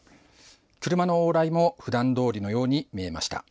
車の往来も、ふだんどおりのように見えました。